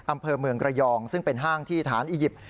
อำเภอเมืองระยองซึ่งเป็นห้างที่ฐานอียิปต์